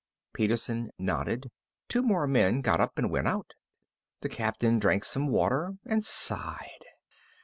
Peterson nodded. Two more men got up and went out. The Captain drank some water and sighed.